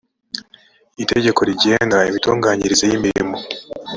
itegeko rigenga imitunganyirize y imirimo